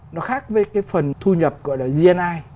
nó khác với cái phần thu nhập gọi là gni